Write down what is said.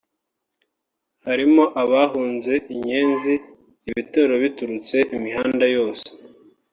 harimo abahunze Inyenzi ibitero biturutse imihanda yose